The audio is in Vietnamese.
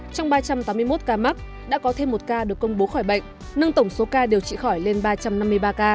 trong ba trăm tám mươi một ca mắc đã có thêm một ca được công bố khỏi bệnh nâng tổng số ca điều trị khỏi lên ba trăm năm mươi ba ca